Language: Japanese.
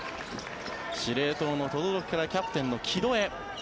司令塔の轟からキャプテンの城戸へ。